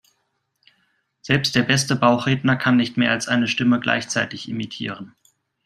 Selbst der beste Bauchredner kann nicht mehr als eine Stimme gleichzeitig imitieren.